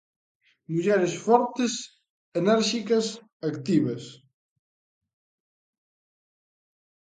Mulleres fortes, enérxicas, activas.